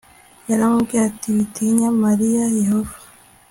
yaramubwiye ati witinya mariya yehova